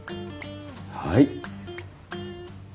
はい。